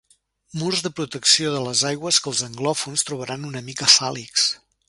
Murs de protecció de les aigües que els anglòfons trobaran una mica fàl·lics.